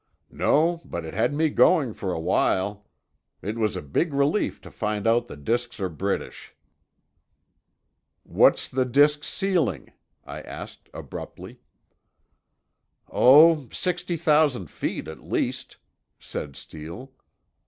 "No, but it had me going for a while. It was a big relief to find out the disks are British." "What's the disks' ceiling?" I asked, abruptly. "Oh—sixty thousand feet, at least," said Steele.